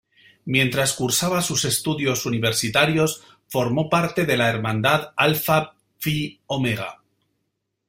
Mientras cursaba sus estudios universitarios formó parte de la hermandad "Alpha Phi Omega".